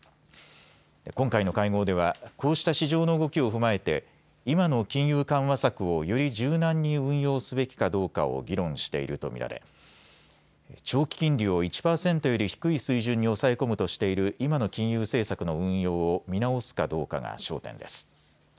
今回の会合ではこうした市場の動きを踏まえて、今の金融緩和策をより柔軟に運用すべきかどうかを議論していると見られ長期金利を１％より低い水準に抑え込むとしている今の金融政策の運用を見直すかどうかが焦点です。